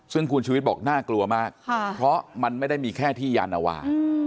ซึ่งคุณชุวิตบอกน่ากลัวมากเพราะมันไม่ได้มีแค่ที่ยานวา